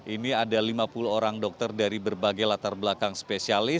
ini ada lima puluh orang dokter dari berbagai latar belakang spesial